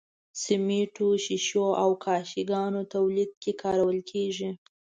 سمنټو، ښيښو او کاشي ګانو تولید کې کارول کیږي.